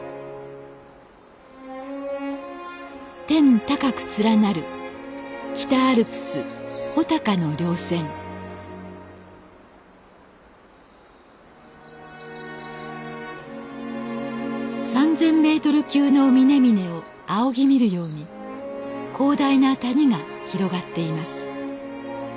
天高く連なる北アルプス穂高の稜線３，０００ｍ級の峰々を仰ぎ見るように広大な谷が広がっています。